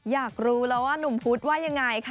อยากรู้แล้วว่านุ่มพุธว่ายังไงค่ะ